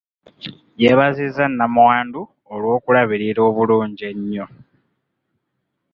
Yeebazizza nnamwandu olw'okulabirira obulungi ennyo.